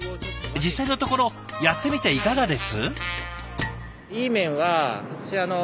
実際のところやってみていかがです？